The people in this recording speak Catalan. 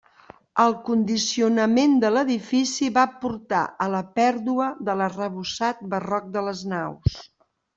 El condicionament de l'edifici va portar a la pèrdua de l'arrebossat barroc de les naus.